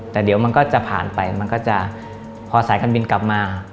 แต่เดี๋ยวมันก็จะผ่านไปมันก็จะพอสายการบินกลับมา